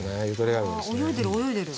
あ泳いでる泳いでる。